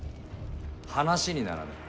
話にならない。